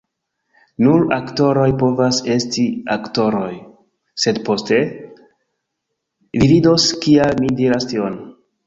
"Nur aktoroj povas esti aktoroj." sed poste, vi vidos kial mi diras tion.